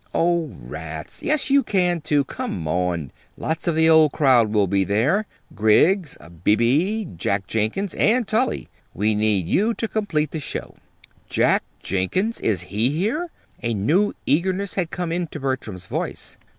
"Oh, rats! Yes, you can, too. Come on! Lots of the old crowd will be there Griggs, Beebe, Jack Jenkins, and Tully. We need you to complete the show." "Jack Jenkins? Is he here?" A new eagerness had come into Bertram's voice.